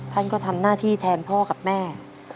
ท่านก็ทำหน้าที่แทนพ่อกับแม่